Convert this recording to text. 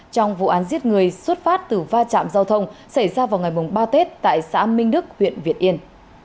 trong vụ án giết người xuất phát từ va chạm giao thông xảy ra vào ngày ba tết tại xã minh đức huyện việt yên